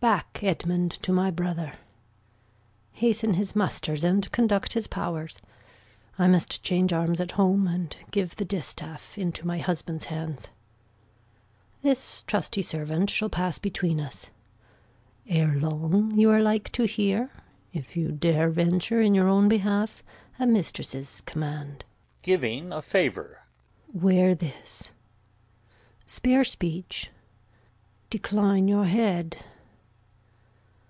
Back, Edmund, to my brother. Hasten his musters and conduct his pow'rs. I must change arms at home and give the distaff Into my husband's hands. This trusty servant Shall pass between us. Ere long you are like to hear (If you dare venture in your own behalf) A mistress's command. Wear this. [Gives a favour.] Spare speech. Decline your head.